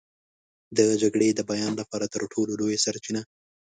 د جګړې د بیان لپاره تر ټولو لویه سرچینه.